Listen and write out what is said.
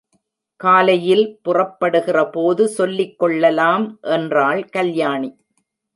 காலையில் புறப்படுகிற போது சொல்லிக் கொள்ளலாம் என்றாள் கல்யாணி.